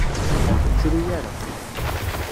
Ur ttru ara.